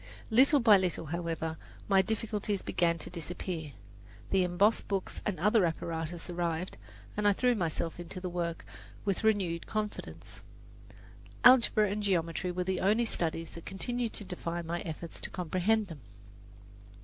Little by little, however, my difficulties began to disappear. The embossed books and other apparatus arrived, and I threw myself into the work with renewed confidence. Algebra and geometry were the only studies that continued to defy my efforts to comprehend them.